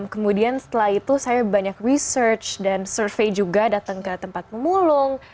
kemudian setelah itu saya banyak research dan survei juga datang ke tempat pemulung